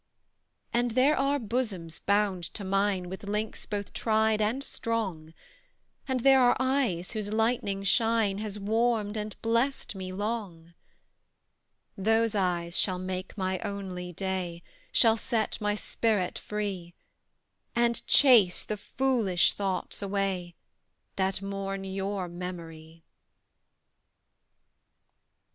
And there are bosoms bound to mine With links both tried and strong: And there are eyes whose lightning shine Has warmed and blest me long: Those eyes shall make my only day, Shall set my spirit free, And chase the foolish thoughts away That mourn your memory.